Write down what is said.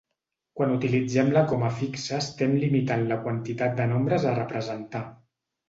Quan utilitzem la coma fixa estem limitant la quantitat de nombres a representar.